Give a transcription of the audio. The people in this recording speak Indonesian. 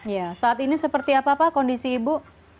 ya saat ini seperti apa pak kondisi ibu